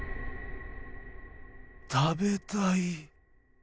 「食べたい」。